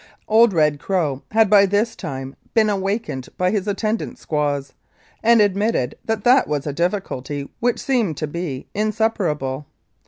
" Old Red Crow had by this time been awakened by his attendant squaws, and admitted that that was a difficulty which seemed to be insuperable.